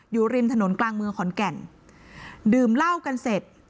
อยู่ริมถนนกลางเมืองขอนแก่นดื่มเหล้ากันเสร็จ